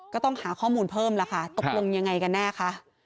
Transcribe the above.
ก็ต้องหาข้อมูลเพิ่มแล้วค่ะตกลงยังไงกันแน่คะ